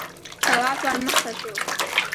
تواب ور مخته شو: